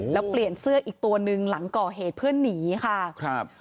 แล้วเปลี่ยนเสื้ออีกตัวหนึ่งหลังก่อเหตุเพื่อหนีค่ะครับ